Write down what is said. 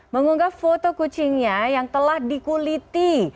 mengunggah foto kucingnya yang telah dikuliti